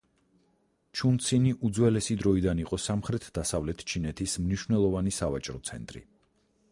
ჩუნცინი უძველესი დროიდან იყო სამხრეთ-დასავლეთ ჩინეთის მნიშვნელოვანი სავაჭრო ცენტრი.